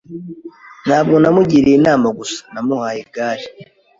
Ntabwo namugiriye inama gusa, namuhaye igare.